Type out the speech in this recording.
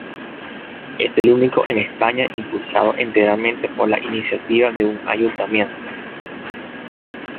Es el único en España impulsado enteramente por la iniciativa de un ayuntamiento.